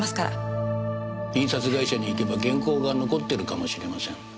印刷会社に行けば原稿が残ってるかもしれません。